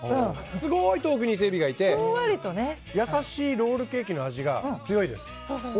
すごい遠くに伊勢えびがいて優しいロールケーキの味が強いです。